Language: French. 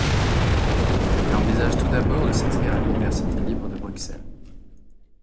Elle envisage tout d'abord de s'inscrire à l'Université libre de Bruxelles.